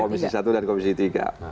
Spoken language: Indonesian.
komisi satu dan komisi tiga